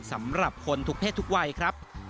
สำหรับคนทุกเพศทุกวัยครับ